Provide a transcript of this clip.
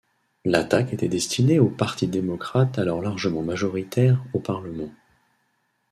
L'attaque était destinée au parti démocrate alors largement majoritaire au parlement.